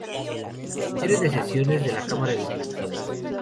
Diario de sesiones de la Cámara de Diputados.